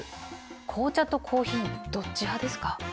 紅茶とコーヒーどっち派ですか？